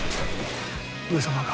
上様が。